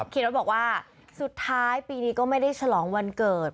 รถบอกว่าสุดท้ายปีนี้ก็ไม่ได้ฉลองวันเกิด